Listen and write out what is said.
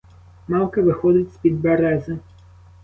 Мавка виходить з-під берези.